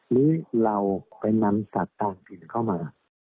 นี้เราไปนำสัตว์ต่างถิ่นเข้ามา